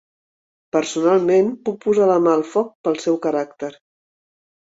Personalment puc posar la mà al foc pel seu caràcter.